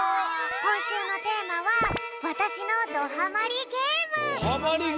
こんしゅうのテーマはどハマりゲーム？